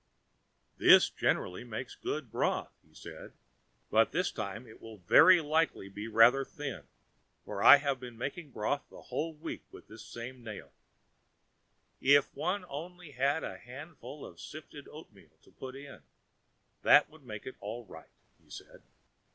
"This generally makes good broth," he said; "but this time it will very likely be rather thin, for I have been making broth the whole week with the same nail. If one only had a handful of sifted oatmeal to put in, that would make it all right," he said.